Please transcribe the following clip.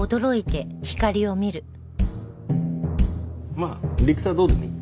まあ理屈はどうでもいい。